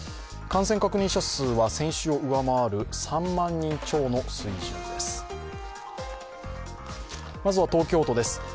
感染確認者数は先週を上回る３万人超です。